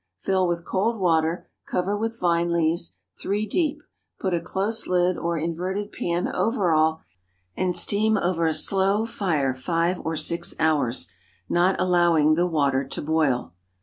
Fill with cold water, cover with vine leaves, three deep; put a close lid or inverted pan over all, and steam over a slow fire five or six hours, not allowing the water to boil.